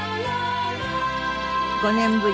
５年ぶり。